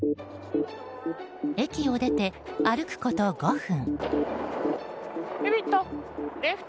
駅を出て歩くこと５分。